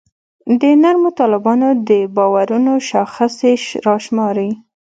د نرمو طالبانو د باورونو شاخصې راشماري.